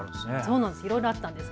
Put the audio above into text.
いろいろあったんです。